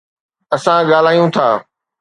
اسان ڳالهايون ٿا.